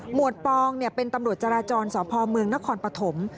วดปองเป็นตำรวจจราจรสพเมืองนครปฐม